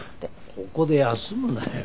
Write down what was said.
ここで休むなよ。